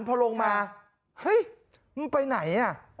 พอลงมามึงไปไหน